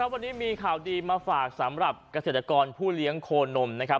วันนี้มีข่าวดีมาฝากสำหรับเกษตรกรผู้เลี้ยงโคนมนะครับ